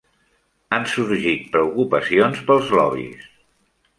Han sorgit preocupacions pels lobbys.